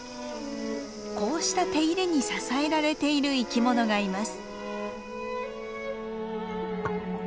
こうした手入れに支えられている生き物がいます。